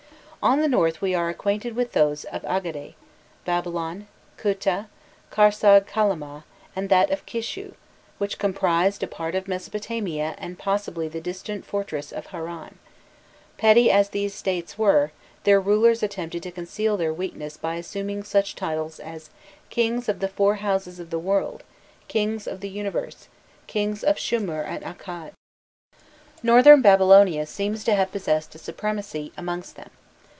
On the north we are acquainted with those of Agade, Babylon, Kuta, Kharsag Kalama, and that of Kishu, which comprised a part of Mesopotamia and possibly the distant fortress of Harran: petty as these States were, their rulers attempted to conceal their weakness by assuming such titles as "Kings of the Four Houses of the World," "Kings of the Universe," "Kings of Shumir and Akkad." Northern Babylonia seems to have possessed a supremacy amongst them.